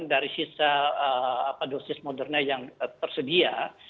dari sisa dosis moderna yang tersedia